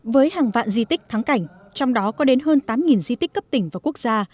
với hàng vạn di tích thắng cảnh trong đó có đến hơn tám di tích cấp tỉnh và quốc gia